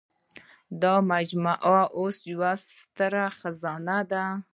دا مجموعه اوس یوه ستره خزانه ده.